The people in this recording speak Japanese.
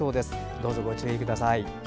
どうぞ、ご注意ください。